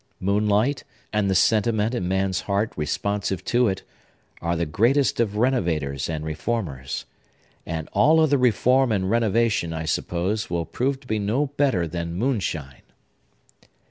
Moonlight, and the sentiment in man's heart responsive to it, are the greatest of renovators and reformers. And all other reform and renovation, I suppose, will prove to be no better than moonshine!"